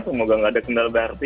semoga nggak ada kendaraan berarti